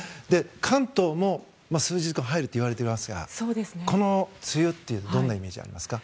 関東も数日で入ると言われていますがこの梅雨はどんなイメージがありますか？